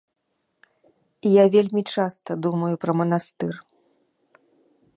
Я вельмі часта думаю пра манастыр.